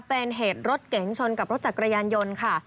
เป็นเหตุรถเก๋งชนกับรถจักรยานยนต์ค่ะ